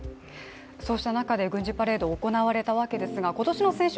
そうした中で軍事パレード行われたわけですが今年の戦勝